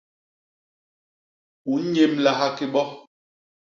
U nnyémlaha ki bo?